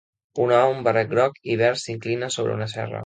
Un home amb un barret groc i verd s'inclina sobre una serra.